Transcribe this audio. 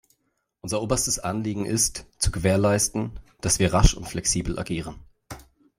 Unser oberstes Anliegen ist, zu gewährleisten, dass wir rasch und flexibel agieren.